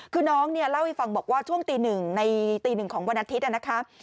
คือน้องเนี่ยเล่าให้ฟังบอกว่าช่วงตีหนึ่งในตีหนึ่งของวันอาทิตย์นะคะ